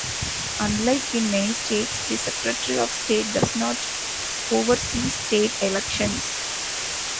Unlike in many states, the Secretary of State does not oversee state elections.